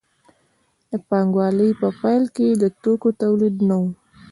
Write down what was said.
د پانګوالۍ په پیل کې د توکو تولید نه و.